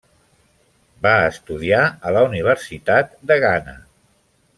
Va estudiar a la Universitat de Ghana.